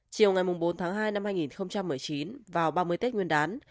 chiều ngày bốn tháng hai năm hai nghìn một mươi chín vào ba mươi tết nguyên đán